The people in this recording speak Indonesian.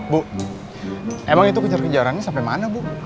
bu emang itu kejar kejarannya sampai mana bu